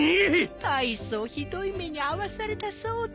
大層ひどい目に遭わされたそうで。